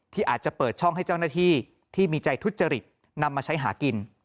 ที่อาจจะเปิดช่องให้เจ้าหน้าที่ที่มีใจทุจริตนำมาใช้หากิน